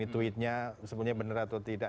tweetnya sebenarnya benar atau tidak